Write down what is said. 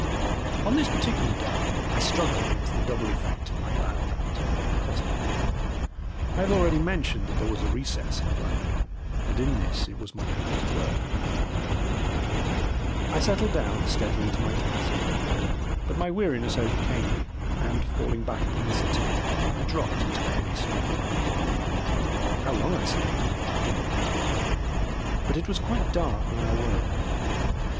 On this particular day I struggled against the double effect of my bad night and the narcotic. I have already mentioned that there was a recess in the library, and in this it was my habit to work. I settled down steadily to my task, but my weariness overcame me and, falling back upon the settee, I dropped into a heavy sleep. How long I slept I do not know, but it was quite dark when I awoke.